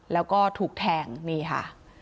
แล้วก็ถูกแทงนี่ค่ะ